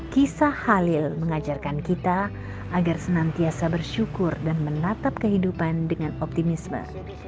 kisah halil mengajarkan kita agar senantiasa bersyukur dan menatap kehidupan dengan optimisme